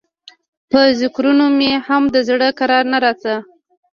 په ذکرونو مې هم د زړه کرار نه راته.